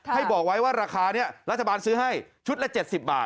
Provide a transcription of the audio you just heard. ให้บอกไว้ว่าราคานี้รัฐบาลซื้อให้ชุดละ๗๐บาท